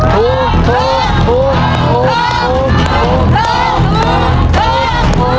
ถูกถูกถูกถูกถูกถูก